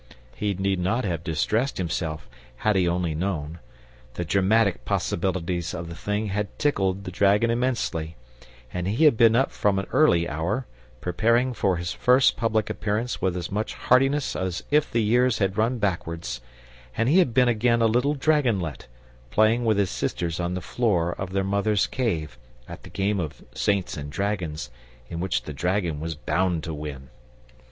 He need not have distressed himself, had he only known. The dramatic possibilities of the thing had tickled the dragon immensely, and he had been up from an early hour, preparing for his first public appearance with as much heartiness as if the years had run backwards, and he had been again a little dragonlet, playing with his sisters on the floor of their mother's cave, at the game of saints and dragons, in which the dragon was bound to win.